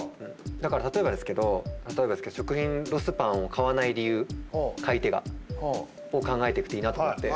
だから例えばですけど食品ロスパンを買わない理由買い手が。を考えていくといいなと思って。